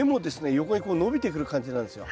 横にこう伸びてくる感じなんですよ。